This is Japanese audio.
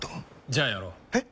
じゃあやろう。え？